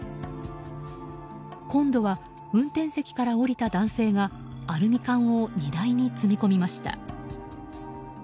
今度は、運転席から降りた男性がアルミ缶を荷台に積み込みました。